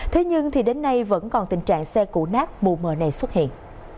thế nhưng đến nay vẫn còn tình trạng xe củ nát mù mờ này xuất hiện